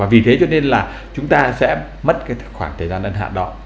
vì thế cho nên là chúng ta sẽ mất khoảng thời gian ân hạn đó